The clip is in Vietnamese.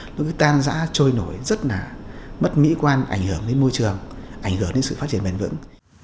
nó cứ tan giã trôi nổi rất là mất mỹ quan ảnh hưởng đến môi trường ảnh hưởng đến sự phát triển bền vững